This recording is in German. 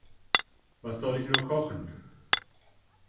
Was soll ich nur kochen?